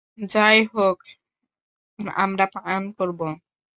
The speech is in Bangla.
যাই হোক, আমরা পান করব।